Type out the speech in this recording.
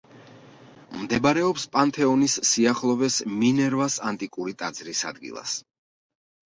მდებარეობს პანთეონის სიახლოვეს მინერვას ანტიკური ტაძრის ადგილას.